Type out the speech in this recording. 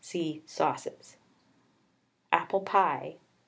(See "Sauces.") APPLE PIE.